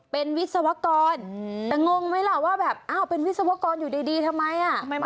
เป็นวิศวกรแต่งงไหมล่ะว่าแบบอ้าวเป็นวิศวกรอยู่ดีทำไมอ่ะ